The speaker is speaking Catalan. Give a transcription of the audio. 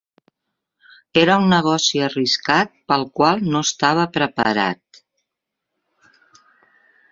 Era un negoci arriscat, pel qual no estava preparat.